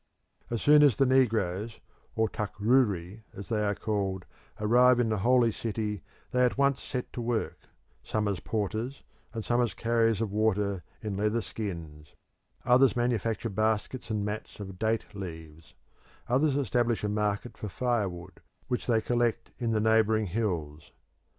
As soon as the negroes or Takrouri, as they are called arrive in the Holy City they at once set to work, some as porters and some as carriers of water in leather skins; others manufacture baskets and mats of date leaves; others establish a market for firewood, which they collect in the neighbouring hills.